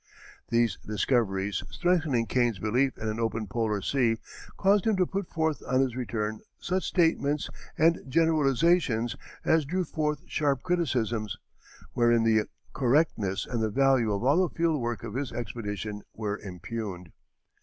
These discoveries, strengthening Kane's belief in an open polar sea, caused him to put forth on his return such statements and generalizations as drew forth sharp criticisms, wherein the correctness and value of all the field work of his expedition were impugned.